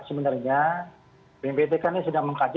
sebenarnya bnpt kan ini sedang mengkaji